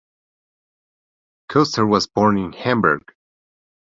Koester was born in Hamburg.